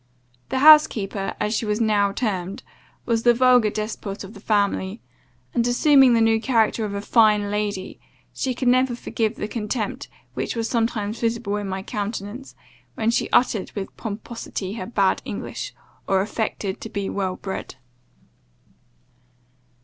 The house keeper, as she was now termed, was the vulgar despot of the family; and assuming the new character of a fine lady, she could never forgive the contempt which was sometimes visible in my countenance, when she uttered with pomposity her bad English, or affected to be well bred.